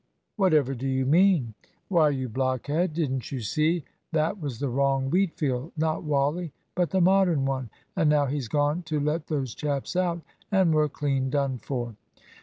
"Whatever do you mean?" "Why, you blockhead, didn't you see that was the wrong Wheatfield not Wally, but the Modern one! And now he's gone to let those chaps out, and we're clean done for!"